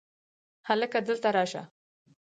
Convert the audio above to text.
هلکه! دلته راشه!